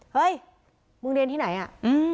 เฮ้ยมึงเรียนที่ไหนอ่ะ